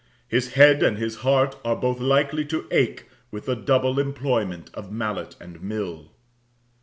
His head and his heart are both likely to ache With the double employment of mallet and mill.